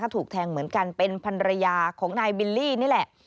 ถูกแทงเหมือนกันเป็นพันรยาของนายบิลลี่นี่แหละ